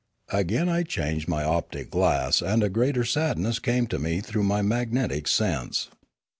Again I changed my optic glass and a greater sad ness came to me through my magnetic sense.